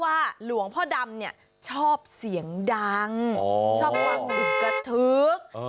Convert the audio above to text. ว่าหลวงพ่อดำเนี่ยชอบเสียงดังอ๋อชอบว่ามึงกะทือกเออ